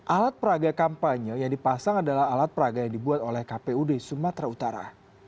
alat peraga kampanye yang dipasang adalah alat peraga yang dibuat oleh kpud sumatera utara